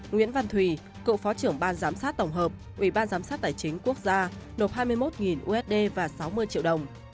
nguyễn văn thùy cựu phó trưởng ban giám sát tổng hợp ủy ban giám sát tài chính quốc gia nộp hai mươi một usd và sáu mươi triệu đồng